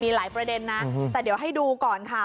มีหลายประเด็นนะแต่เดี๋ยวให้ดูก่อนค่ะ